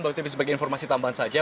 mungkin sebagai informasi tambahan saja